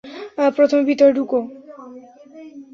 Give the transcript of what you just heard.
প্রথমে ভিতরে ঢুকো।